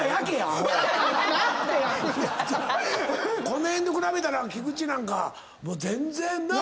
この辺と比べたら菊地なんかもう全然な。